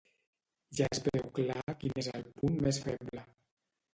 Ja es veu clar quin és el punt més feble.